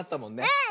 うん！